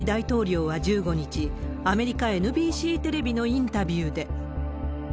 ゼレンスキー大統領は１５日、アメリカ・ＮＢＣテレビのインタビューで。